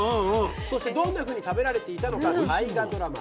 そしてどんなふうに食べられていたのか大河ドラマ